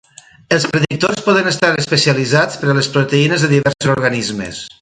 Els predictors poden estar especialitzats per a les proteïnes a diversos organismes.